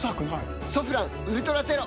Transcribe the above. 「ソフランウルトラゼロ」